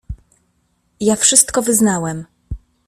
"Ja wszystko wyznałem."